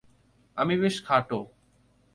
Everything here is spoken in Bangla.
আমি বেশ খাটো।